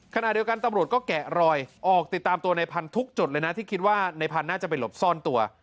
ขณะเดียวกันตำรวจก็แกะรอยออกติดตามตัวในพันธุ์ทุกจุดเลยนะที่คิดว่าในพันธุ์น่าจะไปหลบซ่อนตัว